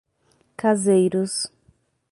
Caseiros